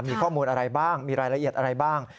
มีข้อมูลอะไรบ้างมีรายละเอียดอะไรบ้าง